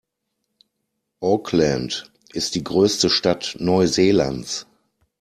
Auckland ist die größte Stadt Neuseelands.